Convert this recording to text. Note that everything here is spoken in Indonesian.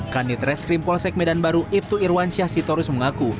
kanit reskrim polsek medan baru ibtu irwansyah sitorus mengaku